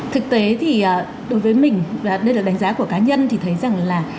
thực tế thì đối với mình đây là đánh giá của cá nhân thì thấy rằng là